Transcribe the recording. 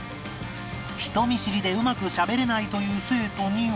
人見知りでうまくしゃべれないという生徒には